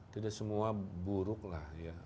tidak semua buruk lah ya